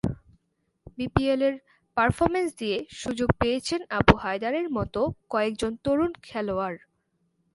বিপিএলের পারফরম্যান্স দিয়ে সুযোগ পেয়েছেন আবু হায়দারের মতো কয়েকজন তরুণ খেলোয়াড়।